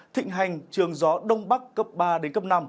thịnh hành trường gió đông bắc cấp ba đến cấp năm